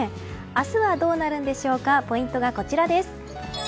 明日はどうなるんでしょうかポイントはこちらです。